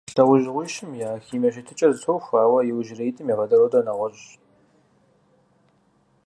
ЛӀэужьыгъуищым я химие щытыкӀэр зэтохуэ, ауэ иужьреитӀым я водородыр нэгъуэщӀщ.